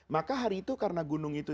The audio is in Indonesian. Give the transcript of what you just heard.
maka hari itu karena gunung itu